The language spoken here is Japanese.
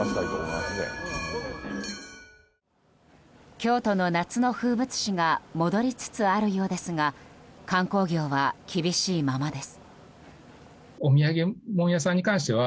京都の夏の風物詩が戻りつつあるようですが観光業は厳しいままです。